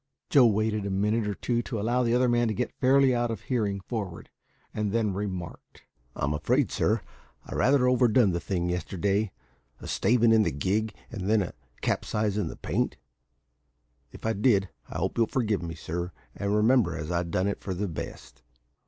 Joe waited a minute or two, to allow the other man to get fairly out of hearing forward, and then remarked "I'm afraid, sir, I rather overdone the thing yesterday, a stavin' in the gig, and then capsizin' the paint. If I did, I hope you'll forgive me, sir, and remember as I done it for the best."